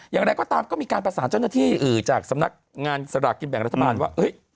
อย่างไรก็ตามก็มีการประสานเจ้าหน้าที่จากสำนักงานสลากกินแบ่งรัฐบาลว่า